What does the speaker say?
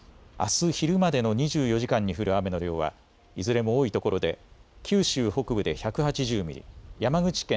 あす昼までの２４時間に降る雨の量はいずれも多いところで九州北部で１８０ミリ。